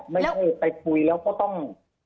ไม่ได้ไปคุยแล้วก็ต้อง